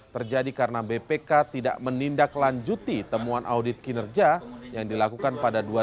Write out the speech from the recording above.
terjadi karena bpk tidak menindaklanjuti temuan audit kinerja yang dilakukan pada dua ribu sebelas dan dua ribu dua belas